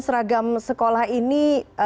seragam sekolah ini